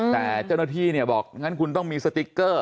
แต่เจ้าหน้าที่บอกงั้นคุณต้องมีสติ๊กเกอร์